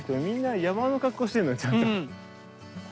みんな山の格好してるのよちゃんと。